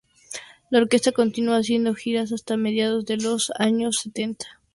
La orquesta continuó haciendo giras hasta mediados de los años setenta.